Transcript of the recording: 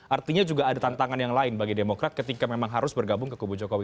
artinya juga ada tantangan yang lain bagi demokrat ketika memang harus bergabung ke kubu jokowi